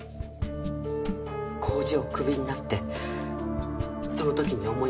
工場をクビになってその時に思いました。